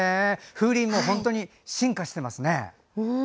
風鈴も本当に進化していますね。